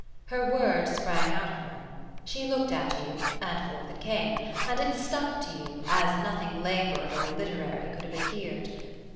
Her word sprang out of her. She looked at you, and forth it came: and it stuck to you, as nothing laboured or literary could have adhered.